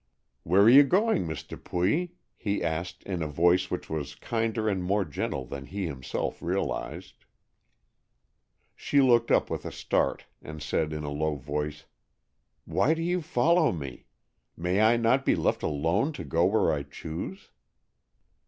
"Where are you going, Miss Dupuy?" he asked in a voice which was kinder and more gentle than he himself realized. She looked up with a start, and said in a low voice, "Why do you follow me? May I not be left alone to go where I choose?"